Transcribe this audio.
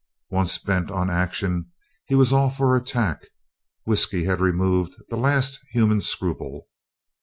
Once bent on action he was all for the attack; whisky had removed the last human scruple.